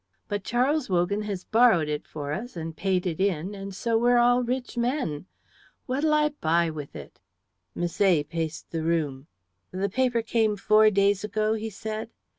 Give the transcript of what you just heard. "But Charles Wogan has borrowed it for us and paid it in, and so we're all rich men. What'll I buy with it?" Misset paced the room. "The paper came four days ago?" he said.